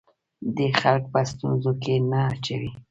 دی خلک په ستونزو کې نه اچوي.